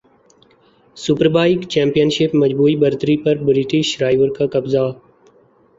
superbike championship مجموعی برتری پر برٹش رائیور کاقبضہ